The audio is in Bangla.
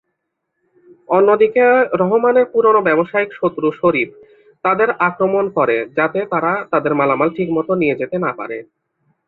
অন্যদিকে রহমানের পুরনো ব্যবসায়িক শত্রু শরীফ তাদের আক্রমণ করে যাতে তারা তাদের মালামাল ঠিকমত নিয়ে যেতে না পারে।